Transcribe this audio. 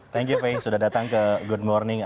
thank you fai sudah datang ke good morning